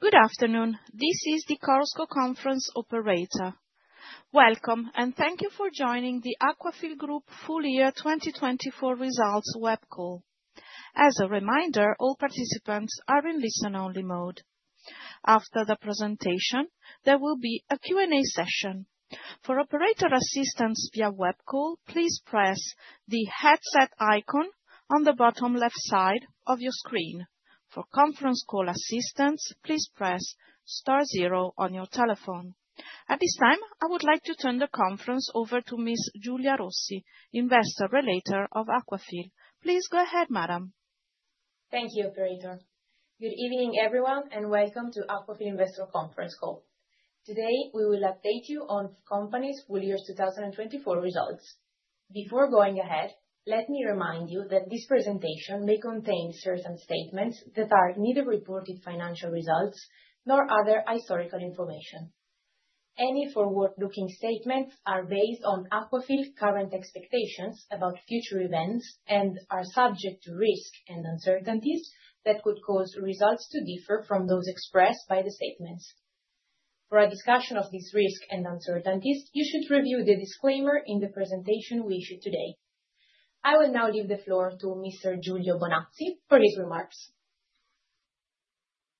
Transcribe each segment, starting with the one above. Good afternoon. This is the Chorus Call conference operator. Welcome, thank you for joining the Aquafil Group full year 2024 results web call. As a reminder, all participants are in listen-only mode. After the presentation, there will be a Q&A session. For operator assistance via web call, please press the headset icon on the bottom left side of your screen. For conference call assistance, please press star zero on your telephone. At this time, I would like to turn the conference over to Ms. Giulia Rossi, Investor Relator of Aquafil. Please go ahead, madam. Thank you, operator. Good evening, everyone, welcome to Aquafil Investor Conference Call. Today, we will update you on the company's full year 2024 results. Before going ahead, let me remind you that this presentation may contain certain statements that are neither reported financial results nor other historical information. Any forward-looking statements are based on Aquafil's current expectations about future events and are subject to risks and uncertainties that could cause results to differ from those expressed by the statements. For a discussion of these risks and uncertainties, you should review the disclaimer in the presentation we issue today. I will now leave the floor to Mr. Giulio Bonazzi for his remarks.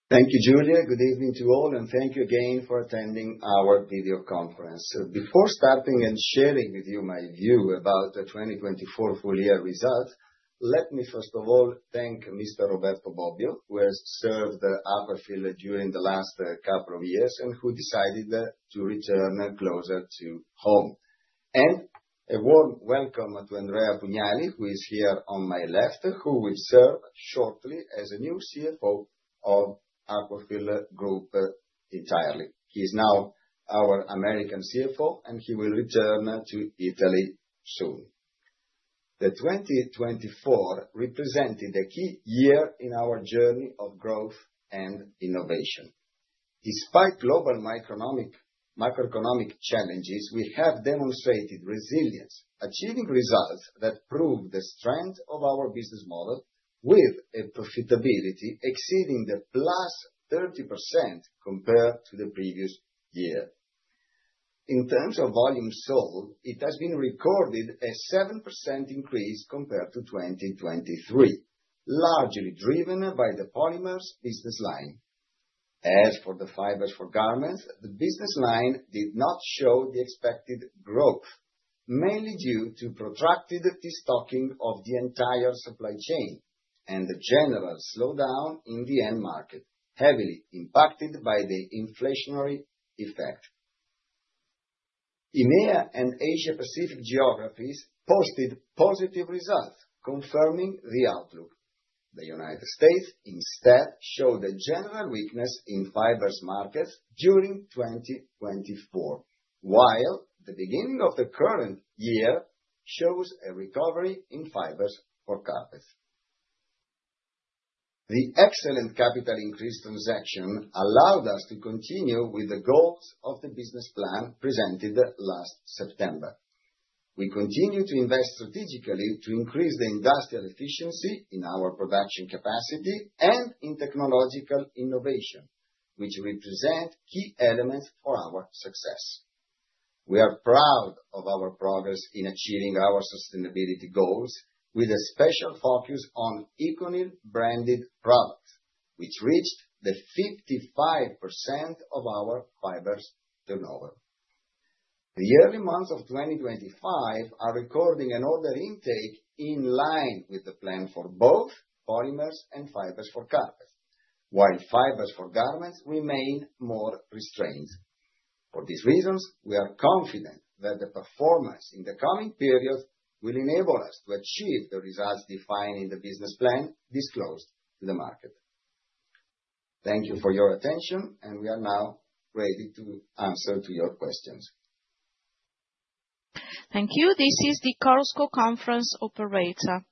Thank you, Giulia. Good evening to all, thank you again for attending our video conference. Before starting and sharing with you my view about the 2024 full year results, let me first of all thank Mr. Roberto Bobbio, who has served Aquafil during the last couple of years and who decided to return closer to home. A warm welcome to Andrea Pugnali, who is here on my left, who will serve shortly as a new CFO of Aquafil Group entirely. He is now our American CFO, he will return to Italy soon. The 2024 represented a key year in our journey of growth and innovation. Despite global macroeconomic challenges, we have demonstrated resilience, achieving results that prove the strength of our business model, with profitability exceeding the +30% compared to the previous year. In terms of volume sold, it has been recorded a 7% increase compared to 2023, largely driven by the polymers business line. As for the fibers for garments, the business line did not show the expected growth, mainly due to protracted destocking of the entire supply chain and the general slowdown in the end market, heavily impacted by the inflationary effect. EMEA and Asia Pacific geographies posted positive results confirming the outlook. The United States instead showed a general weakness in fibers markets during 2024, while the beginning of the current year shows a recovery in fibers for carpets. The excellent capital increase transaction allowed us to continue with the goals of the business plan presented last September. We continue to invest strategically to increase the industrial efficiency in our production capacity and in technological innovation, which represent key elements for our success. We are proud of our progress in achieving our sustainability goals, with a special focus on ECONYL-branded products, which reached the 55% of our fibers turnover. The early months of 2025 are recording an order intake in line with the plan for both polymers and fibers for carpets, while fibers for garments remain more restrained. For these reasons, we are confident that the performance in the coming period will enable us to achieve the results defined in the business plan disclosed to the market. Thank you for your attention. We are now ready to answer to your questions. Thank you. This is the Chorus Call conference operator.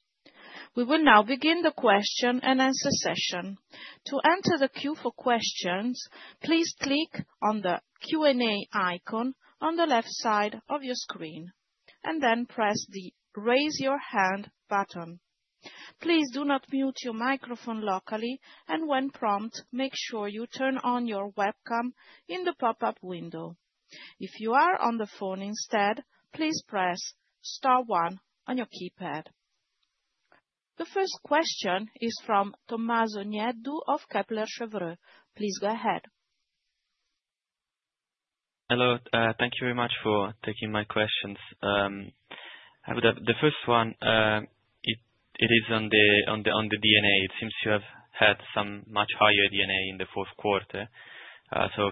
We will now begin the question-and-answer session. To enter the queue for questions, please click on the Q&A icon on the left side of your screen. Then press the Raise Your Hand button. Please do not mute your microphone locally. When prompt, make sure you turn on your webcam in the pop-up window. If you are on the phone instead, please press star one on your keypad. The first question is from Tommaso Nieddu of Kepler Cheuvreux. Please go ahead. Hello. Thank you very much for taking my questions. The first one, it is on the D&A. It seems to have had some much higher D&A in the fourth quarter.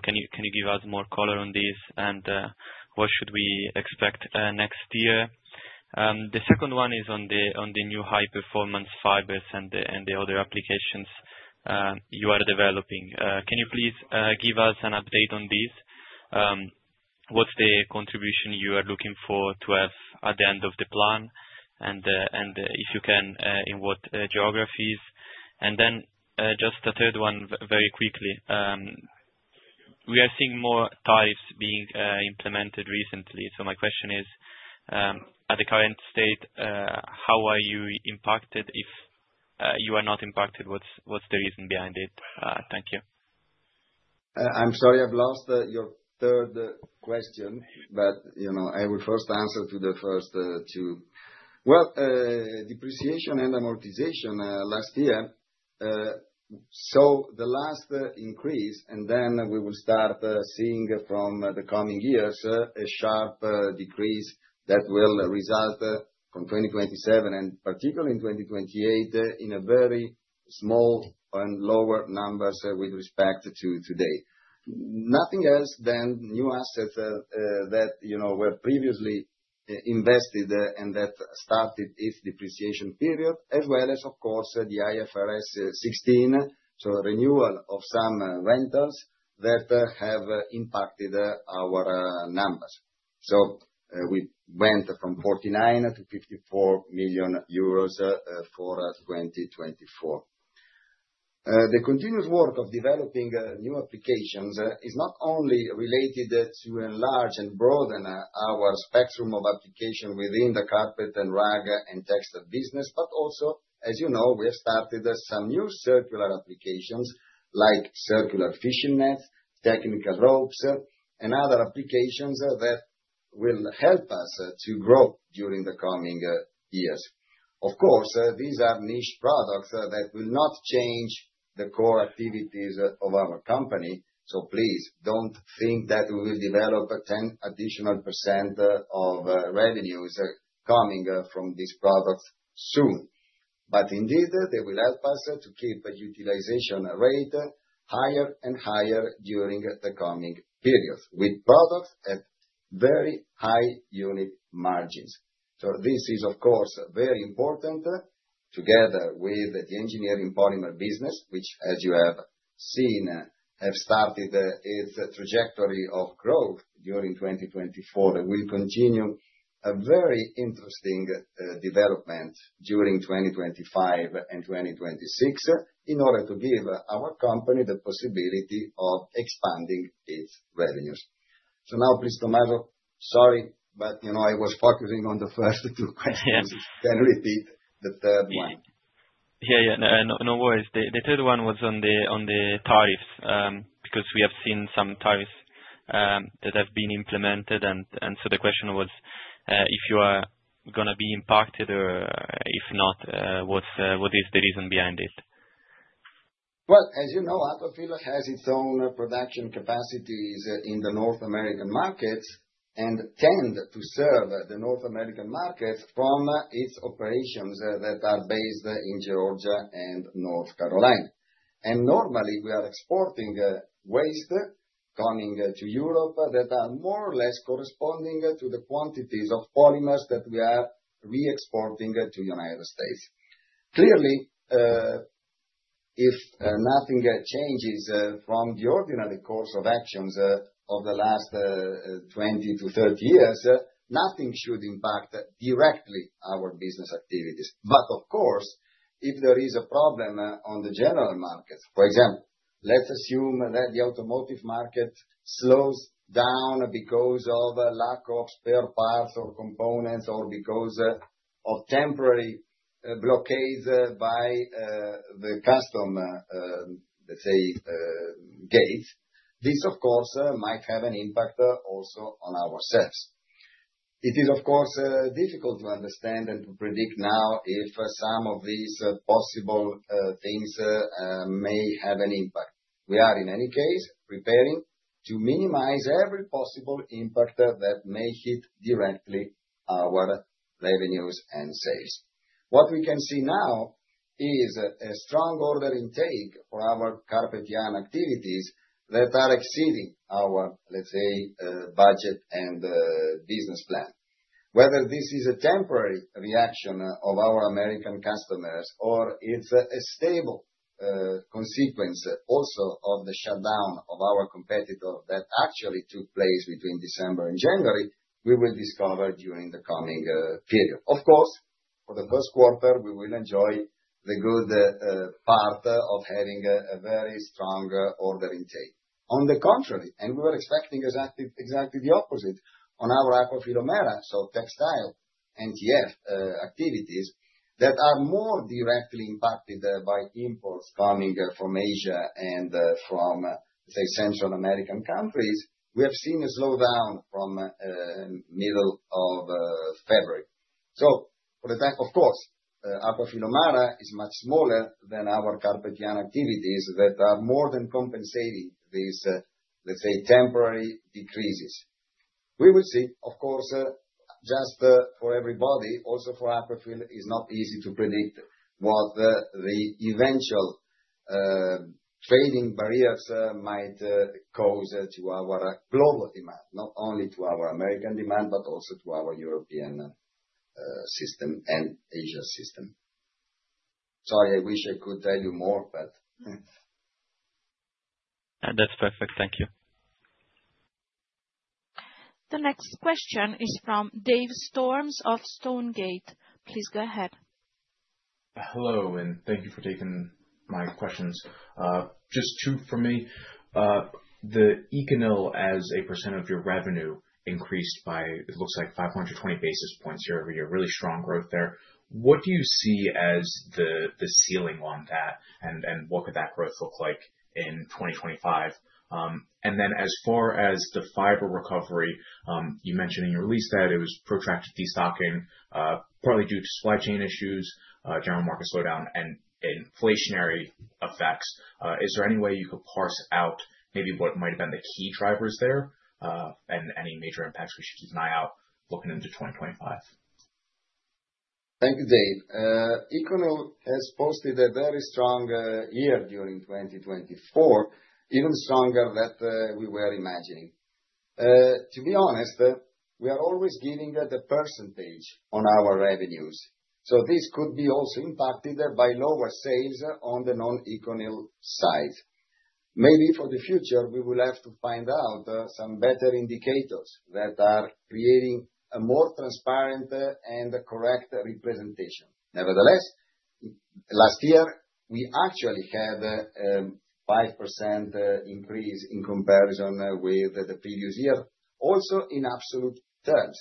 Can you give us more color on this, and what should we expect next year? The second one is on the new high-performance fibers and the other applications you are developing. Can you please give us an update on this? What's the contribution you are looking for to have at the end of the plan? If you can, in what geographies? Then, just a third one very quickly. We are seeing more tariffs being implemented recently. My question is, at the current state, how are you impacted? If you are not impacted, what's the reason behind it? Thank you. I'm sorry, I've lost your third question. I will first answer to the first two. Well, depreciation and amortization last year. The last increase, then we will start seeing from the coming years, a sharp decrease that will result from 2027 and particularly in 2028, in a very small and lower numbers with respect to today. Nothing else than new assets that were previously invested and that started its depreciation period, as well as, of course, the IFRS 16. A renewal of some leases that have impacted our numbers. We went from 49 million-54 million euros for 2024. The continuous work of developing new applications is not only related to enlarge and broaden our spectrum of application within the carpet and rug and textile business, but also, as you know, we have started some new circular applications like circular fishing nets, technical ropes, and other applications that will help us to grow during the coming years. Of course, these are niche products that will not change the core activities of our company. Please, don't think that we will develop 10 additional % of revenues coming from this product soon. Indeed, they will help us to keep a utilization rate higher and higher during the coming periods, with products at very high unit margins. This is, of course, very important, together with the engineering polymer business, which, as you have seen, have started its trajectory of growth during 2024, and will continue a very interesting development during 2025 and 2026 in order to give our company the possibility of expanding its revenues. Now please, Tommaso. Sorry, but I was focusing on the first two questions. Yeah. Can you repeat the third one? Yeah. No worries. The third one was on the tariffs, because we have seen some tariffs that have been implemented, the question was, if you are going to be impacted or if not, what is the reason behind it? Well, as you know, Aquafil has its own production capacities in the North American markets, and tend to serve the North American market from its operations that are based in Georgia and North Carolina. Normally, we are exporting waste coming to Europe that are more or less corresponding to the quantities of polymers that we are re-exporting to United States. Clearly, if nothing changes from the ordinary course of actions of the last 20-30 years, nothing should impact directly our business activities. Of course, if there is a problem on the general market, for example, let's assume that the automotive market slows down because of lack of spare parts or components, or because of temporary blockades by the custom, let's say, gate. This, of course, might have an impact also on ourselves. It is, of course, difficult to understand and to predict now if some of these possible things may have an impact. We are, in any case, preparing to minimize every possible impact that may hit directly our revenues and sales. What we can see now is a strong order intake for our carpet yarn activities that are exceeding our, let's say, budget and business plan. Whether this is a temporary reaction of our American customers or it's a stable consequence also of the shutdown of our competitor that actually took place between December and January, we will discover during the coming period. Of course, for the first quarter, we will enjoy the good part of having a very strong order intake. On the contrary, we were expecting exactly the opposite on our Aquafil O'Mara. Textile and Garment Fiber activities that are more directly impacted by imports coming from Asia and from, say, Central American countries, we have seen a slowdown from middle of February. For the time, of course, Aquafil O'Mara is much smaller than our carpet yarn activities that are more than compensating these, let's say, temporary decreases. We will see, of course, just for everybody, also for Aquafil, is not easy to predict what the eventual trading barriers might cause to our global demand, not only to our American demand, but also to our European system and Asia system. Sorry, I wish I could tell you more, but That's perfect. Thank you. The next question is from Dave Storms of Stonegate. Please go ahead. Hello, thank you for taking my questions. Just two from me. The ECONYL as a % of your revenue increased by, it looks like 520 basis points year-over-year. Really strong growth there. What do you see as the ceiling on that and what could that growth look like in 2025? As far as the fiber recovery, you mentioned in your release that it was protracted destocking, partly due to supply chain issues, general market slowdown, and inflationary effects. Is there any way you could parse out maybe what might have been the key drivers there, and any major impacts we should keep an eye out looking into 2025? Thank you, Dave. ECONYL has posted a very strong year during 2024, even stronger that we were imagining. To be honest, we are always giving the % on our revenues. This could be also impacted by lower sales on the non-ECONYL side. Maybe for the future, we will have to find out some better indicators that are creating a more transparent and correct representation. Nevertheless, last year, we actually had a 5% increase in comparison with the previous year, also in absolute terms.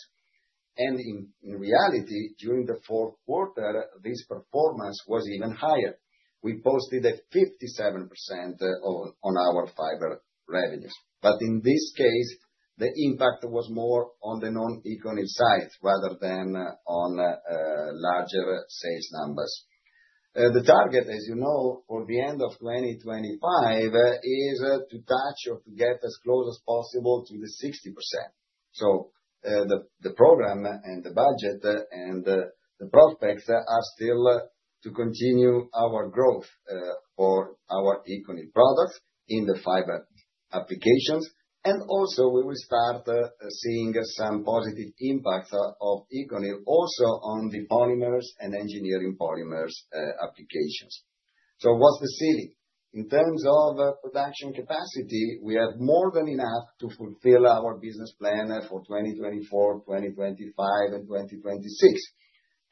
In reality, during the fourth quarter, this performance was even higher. We posted a 57% on our fiber revenues. In this case, the impact was more on the non-ECONYL side rather than on larger sales numbers. The target, as you know, for the end of 2025 is to touch or to get as close as possible to the 60%. The program and the budget and the prospects are still to continue our growth for our ECONYL products in the fiber applications. Also, we will start seeing some positive impact of ECONYL also on the polymers and engineering polymers applications. What's the ceiling? In terms of production capacity, we have more than enough to fulfill our business plan for 2024, 2025, and 2026.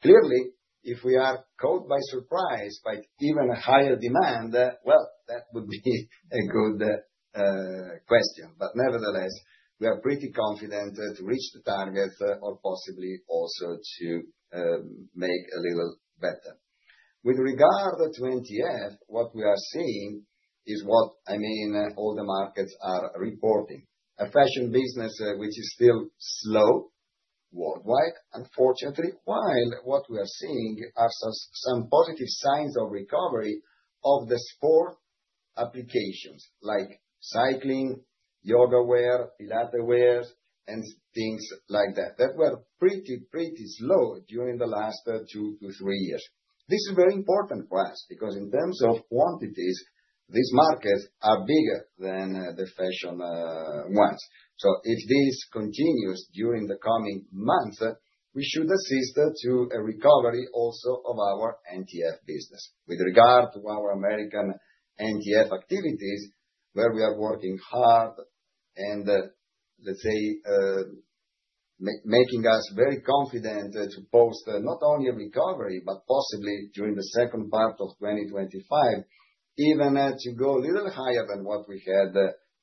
Clearly, if we are caught by surprise by even higher demand, well, that would be a good question. Nevertheless, we are pretty confident to reach the target or possibly also to make a little better. With regard to NTF, what we are seeing is what all the markets are reporting. A fashion business which is still slow worldwide, unfortunately. What we are seeing are some positive signs of recovery of the sport applications, like cycling, yoga wear, Pilates wears, and things like that were pretty slow during the last two to three years. This is very important for us because in terms of quantities, these markets are bigger than the fashion ones. If this continues during the coming months, we should assist to a recovery also of our NTF business. With regard to our American NTF activities, where we are working hard and let's say, making us very confident to post not only a recovery, but possibly during the second part of 2025, even to go a little higher than what we had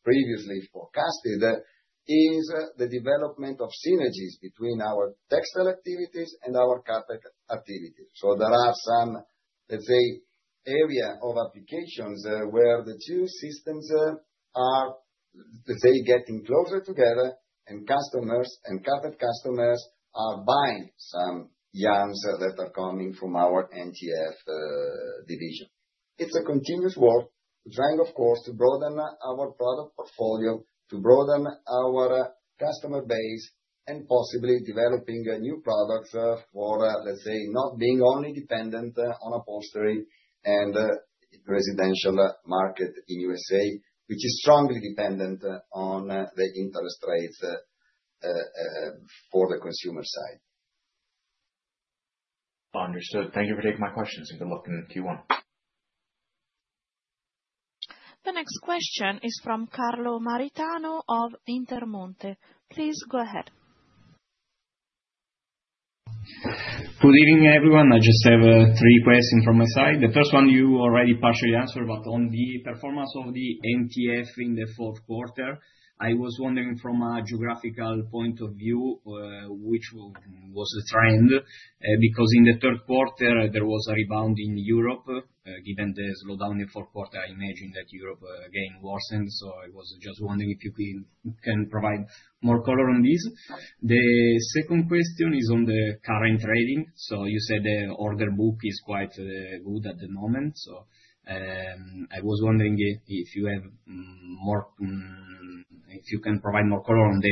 previously forecasted, is the development of synergies between our textile activities and our carpet activities. There are some areas of applications where the two systems are getting closer together and customers and carpet customers are buying some yarns that are coming from our NTF division. It's a continuous work, trying, of course, to broaden our product portfolio, to broaden our customer base, and possibly developing new products for, let's say, not being only dependent on a upholstery and residential market in U.S.A., which is strongly dependent on the interest rates for the consumer side. Understood. Thank you for taking my questions and good luck in the Q1. The next question is from Carlo Maritano of Intermonte. Please go ahead. Good evening, everyone. I just have three questions from my side. The first one you already partially answered, but on the performance of the NTF in the fourth quarter, I was wondering from a geographical point of view, which was the trend, because in the third quarter, there was a rebound in Europe. Given the slowdown in the fourth quarter, I imagine that Europe, again, worsened. I was just wondering if you can provide more color on this. The second question is on the current trading. You said the order book is quite good at the moment. I was wondering if you can provide more color on the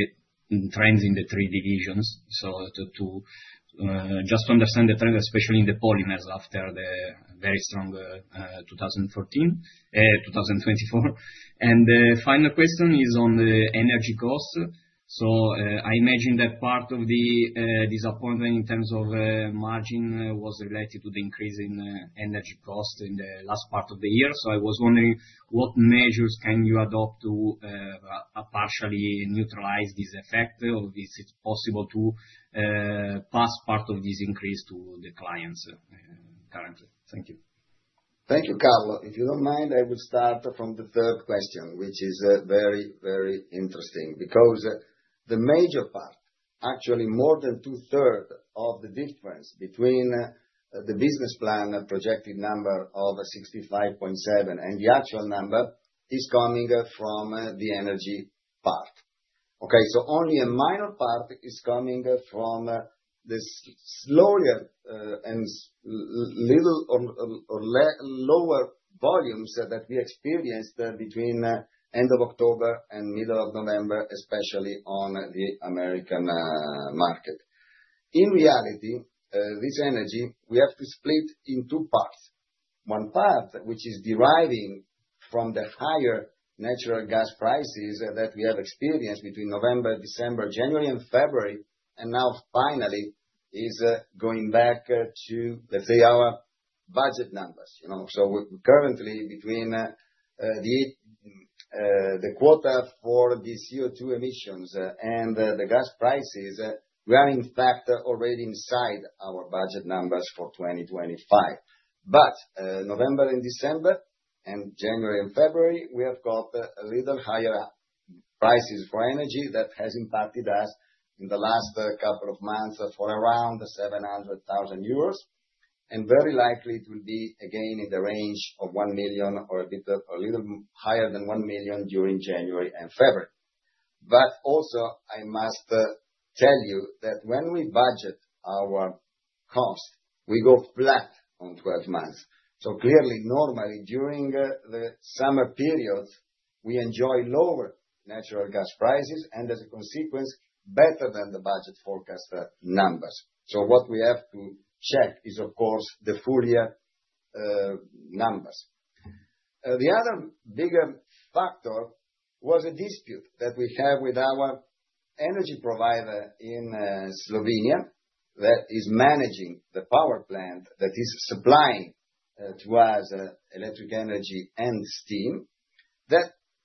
trends in the three divisions. To just understand the trend, especially in the polymers after the very strong 2024. The final question is on the energy cost. I imagine that part of the disappointment in terms of margin was related to the increase in energy cost in the last part of the year. I was wondering what measures can you adopt to partially neutralize this effect, or is it possible to pass part of this increase to the clients currently? Thank you. Thank you, Carlo. If you don't mind, I will start from the third question, which is very interesting because the major part, actually more than two-third of the difference between the business plan projected number of 65.7 and the actual number is coming from the energy part. Okay? Only a minor part is coming from the slower and little or lower volumes that we experienced between end of October and middle of November, especially on the American market. In reality, this energy, we have to split in two parts. One part, which is deriving from the higher natural gas prices that we have experienced between November, December, January and February, and now finally is going back to, let's say, our budget numbers. We're currently between the quota for the CO2 emissions and the gas prices, we are in fact already inside our budget numbers for 2025. November and December, and January and February, we have got a little higher prices for energy that has impacted us in the last couple of months for around 700,000 euros. Very likely it will be again in the range of 1 million or a little higher than 1 million during January and February. I must tell you that when we budget our cost, we go flat on 12 months. Clearly, normally during the summer periods, we enjoy lower natural gas prices, and as a consequence, better than the budget forecast numbers. What we have to check is, of course, the full year numbers. The other bigger factor was a dispute that we have with our energy provider in Slovenia, that is managing the power plant that is supplying to us electric energy and steam.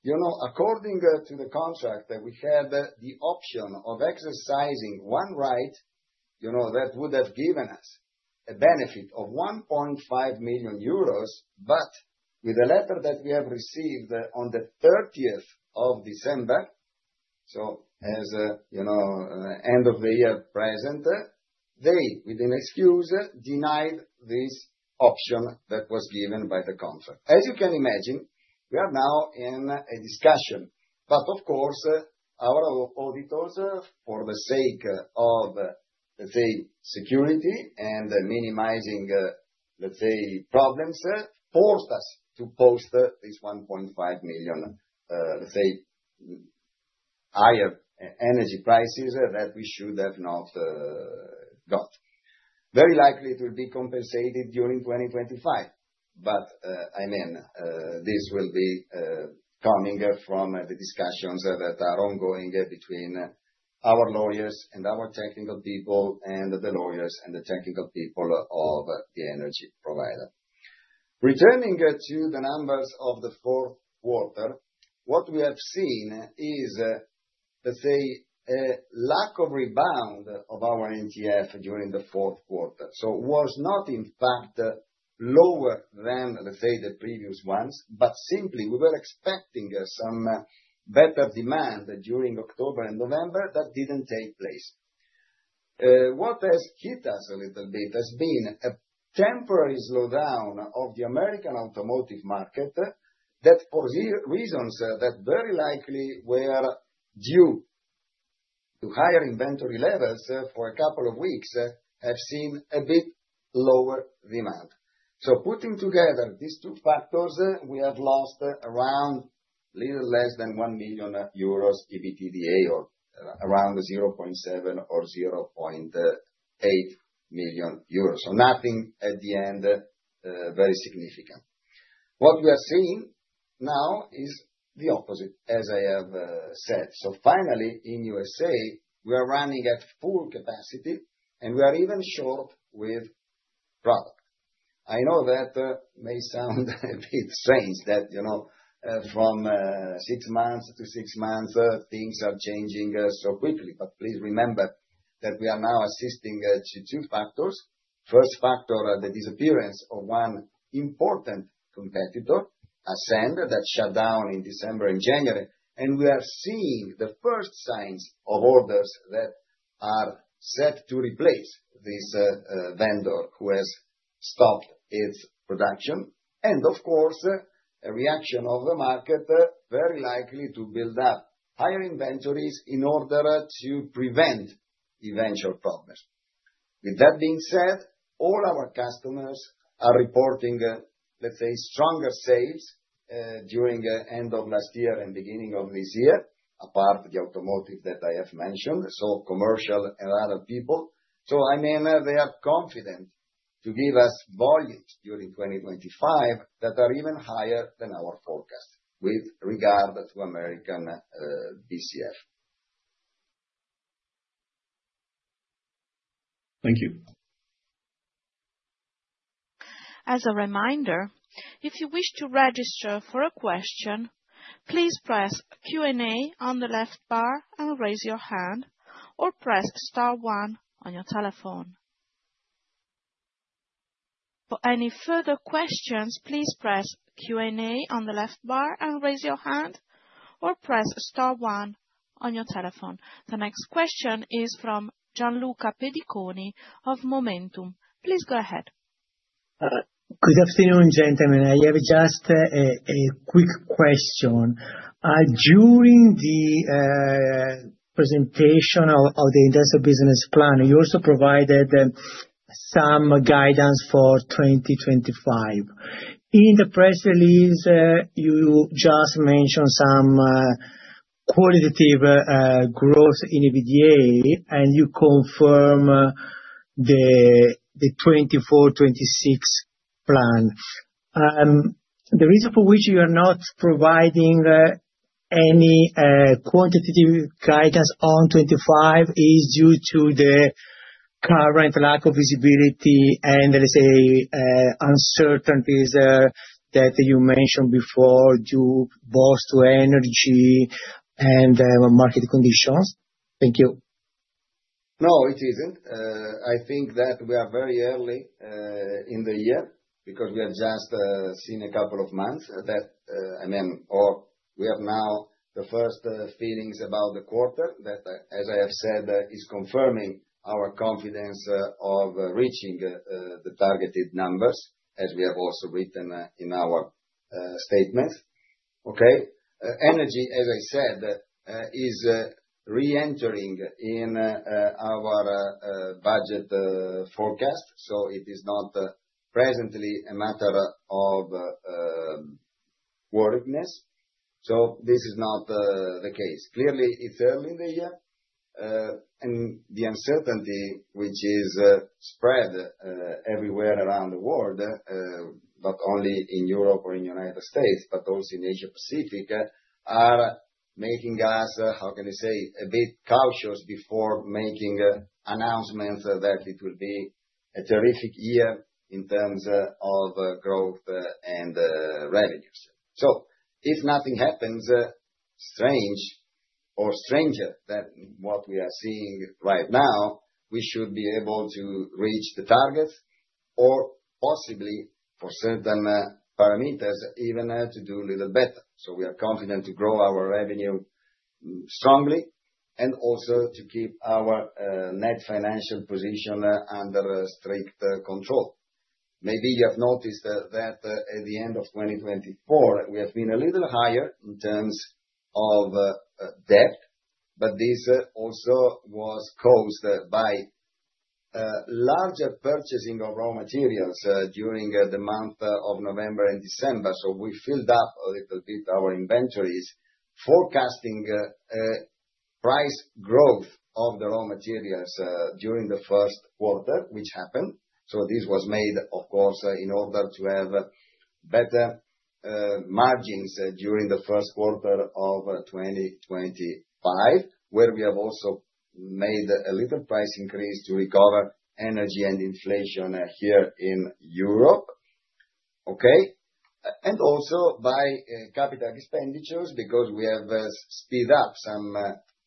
According to the contract, we had the option of exercising one right, that would have given us a benefit of 1.5 million euros, but with a letter that we have received on the 30th of December. As end of the year present, they, with an excuse, denied this option that was given by the contract. As you can imagine, we are now in a discussion. Of course, our auditors, for the sake of, let's say, security and minimizing, let's say, problems, forced us to post this 1.5 million, let's say, higher energy prices that we should have not got. Very likely it will be compensated during 2025. This will be coming from the discussions that are ongoing between our lawyers and our technical people, and the lawyers and the technical people of the energy provider. Returning to the numbers of the fourth quarter, what we have seen is, let's say, a lack of rebound of our NTF during the fourth quarter. Was not in fact lower than, let's say, the previous ones, but simply we were expecting some better demand during October and November, that didn't take place. What has hit us a little bit has been a temporary slowdown of the American automotive market, that for reasons that very likely were due to higher inventory levels for a couple of weeks, have seen a bit lower demand. Putting together these two factors, we have lost around a little less than 1 million euros EBITDA, or around 0.7 or 0.8 million euros. Nothing at the end very significant. What we are seeing now is the opposite, as I have said. Finally, in U.S.A., we are running at full capacity and we are even short with product. I know that may sound a bit strange that from six months to six months, things are changing so quickly. Please remember that we are now assisting to two factors. First factor, the disappearance of one important competitor, Ascend, that shut down in December and January. We are seeing the first signs of orders that are set to replace this vendor who has stopped its production. Of course, a reaction of the market, very likely to build up higher inventories in order to prevent eventual problems. With that being said, all our customers are reporting, let's say, stronger sales, during end of last year and beginning of this year, apart the automotive that I have mentioned. Commercial and other people. They are confident to give us volumes during 2025 that are even higher than our forecast, with regard to American BCF. Thank you. As a reminder, if you wish to register for a question, please press Q&A on the left bar and raise your hand, or press star one on your telephone. For any further questions, please press Q&A on the left bar and raise your hand, or press star one on your telephone. The next question is from Gianluca Pediconi of MOMentum. Please go ahead. Good afternoon, gentlemen. I have just a quick question. During the presentation of the Industrial Business Plan, you also provided some guidance for 2025. In the press release, you just mentioned some qualitative growth in EBITDA. You confirm the 2024, 2026 plan. The reason for which you are not providing any quantitative guidance on 2025 is due to the current lack of visibility. There is a uncertainties that you mentioned before due both to energy and market conditions. Thank you. No, it isn't. I think that we are very early in the year because we have just seen a couple of months. We have now the first feelings about the quarter that, as I have said, is confirming our confidence of reaching the targeted numbers, as we have also written in our statement. Okay. Energy, as I said, is re-entering in our budget forecast, so it is not presently a matter of worriedness. This is not the case. Clearly, it's early in the year, and the uncertainty which is spread everywhere around the world, not only in Europe or in the United States, but also in Asia Pacific, are making us, how can I say, a bit cautious before making announcements that it will be a terrific year in terms of growth and revenues. If nothing happens strange or stranger than what we are seeing right now, we should be able to reach the target or possibly, for certain parameters, even to do a little better. We are confident to grow our revenue strongly and also to keep our net financial position under strict control. Maybe you have noticed that at the end of 2024, we have been a little higher in terms of debt, but this also was caused by larger purchasing of raw materials during the month of November and December. We filled up a little bit our inventories, forecasting a price growth of the raw materials during the first quarter, which happened. This was made, of course, in order to have better margins during the first quarter of 2025, where we have also made a little price increase to recover energy and inflation here in Europe. Okay. Also by capital expenditures, because we have sped up some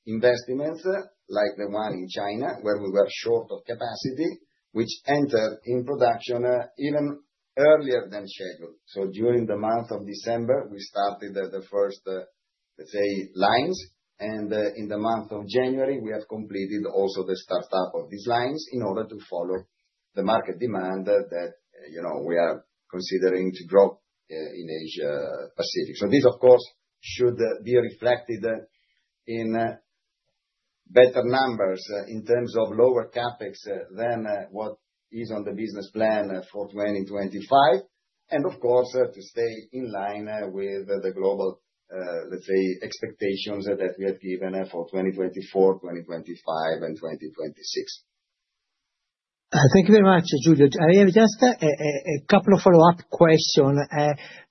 investments like the one in China, where we were short of capacity, which entered in production even earlier than scheduled. During the month of December, we started the first, let's say, lines, and in the month of January, we have completed also the startup of these lines in order to follow the market demand that we are considering to drop in Asia Pacific. This, of course, should be reflected in better numbers in terms of lower CapEx than what is on the business plan for 2025, and of course, to stay in line with the global, let's say, expectations that we have given for 2024, 2025, and 2026. Thank you very much, Giulio. I have just a couple of follow-up question.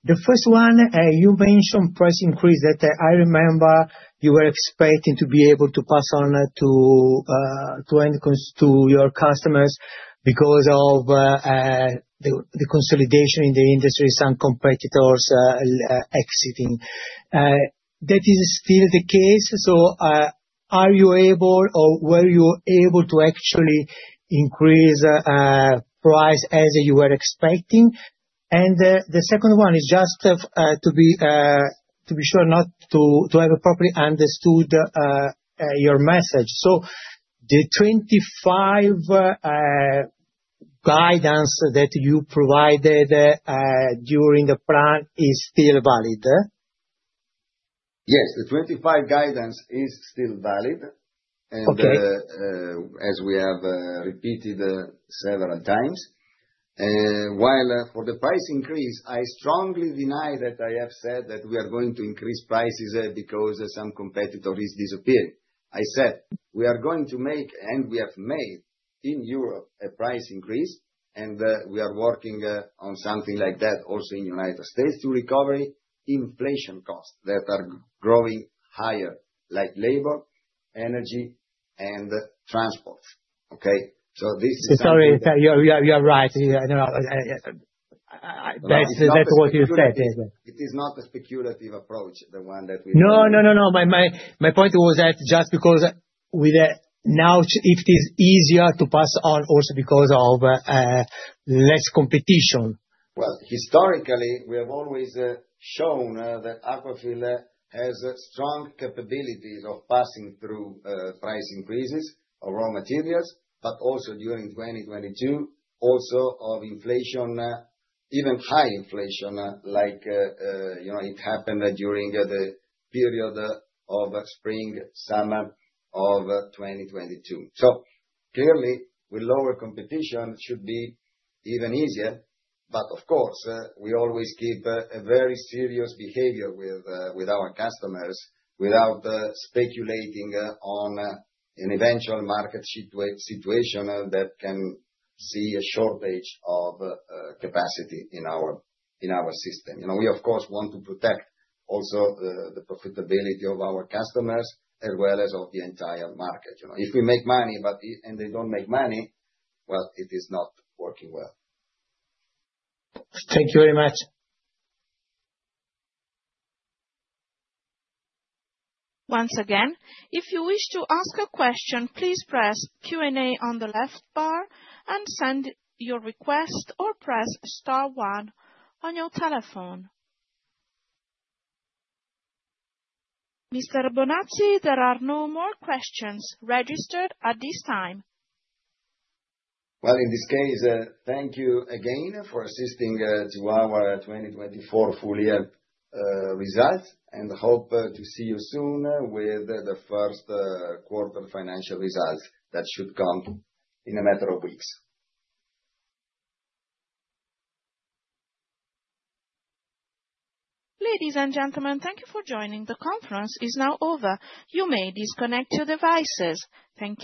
The first one, you mentioned price increase that I remember you were expecting to be able to pass on to your customers because of the consolidation in the industry, some competitors exiting. That is still the case, are you able, or were you able to actually increase price as you were expecting? The second one is just to be sure not to have properly understood your message. The 2025 guidance that you provided during the plan is still valid? Yes, the 2025 guidance is still valid. Okay. As we have repeated several times. While for the price increase, I strongly deny that I have said that we are going to increase prices because some competitor is disappearing. I said we are going to make, and we have made in Europe a price increase, and we are working on something like that also in the U.S. to recover inflation costs that are growing higher, like labor, energy, and transport. Okay? Sorry. You are right. I know. That is not what you said, is it? It is not a speculative approach. No, my point was that just because now it is easier to pass on also because of less competition. Well, historically, we have always shown that Aquafil has strong capabilities of passing through price increases of raw materials, also during 2022, also of inflation, even high inflation, like it happened during the period of spring, summer of 2022. Clearly, with lower competition, it should be even easier. Of course, we always keep a very serious behavior with our customers without speculating on an eventual market situation that can see a shortage of capacity in our system. We, of course, want to protect also the profitability of our customers as well as of the entire market. If we make money and they don't make money, well, it is not working well. Thank you very much. Once again, if you wish to ask a question, please press Q&A on the left bar and send your request or press star one on your telephone. Mr. Bonazzi, there are no more questions registered at this time. Well, in this case, thank you again for assisting to our 2024 full year results, hope to see you soon with the first quarter financial results that should come in a matter of weeks. Ladies and gentlemen, thank you for joining. The conference is now over. You may disconnect your devices. Thank you.